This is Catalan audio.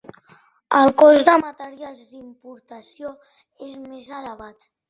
El cost dels materials d'importació és més elevat.